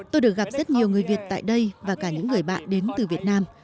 tôi được gặp rất nhiều người việt tại đây và cả những người bạn đến từ việt nam